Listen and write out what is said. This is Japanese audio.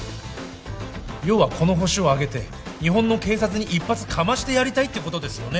要はこのホシをあげて日本の警察に一発カマしてやりたいってことですよね